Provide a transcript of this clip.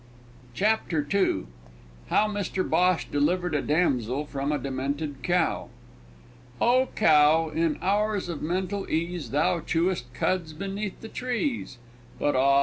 CHAPTER II HOW MR BHOSH DELIVERED A DAMSEL FROM A DEMENTED COW O Cow! in hours of mental ease Thou chewest cuds beneath the trees; But ah!